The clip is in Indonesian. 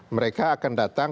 mereka akan datang